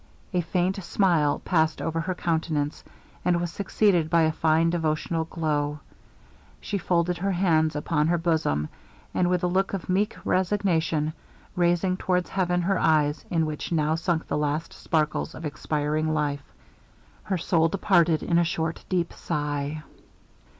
A faint smile passed over her countenance, and was succeeded by a fine devotional glow; she folded her hands upon her bosom, and with a look of meek resignation, raising towards heaven her eyes, in which now sunk the last sparkles of expiring life her soul departed in a short deep sigh.